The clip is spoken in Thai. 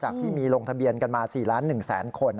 จากที่มีลงทะเบียนกันมา๔๑๐๐๐๐๐คน